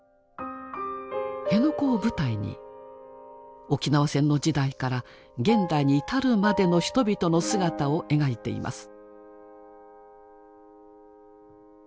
辺野古を舞台に沖縄戦の時代から現代に至るまでの人々の姿を描いています。